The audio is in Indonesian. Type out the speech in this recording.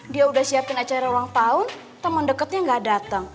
dia udah siapin acara ulang tahun temen deketnya gak dateng